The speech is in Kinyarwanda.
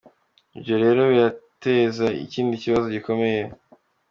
Ibyo rero birateza ikindi kibazo gikomeye.